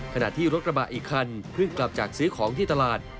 ขณะที่รถกระบะอีกคันเพิ่งกลับจากซื้อของที่ตลาด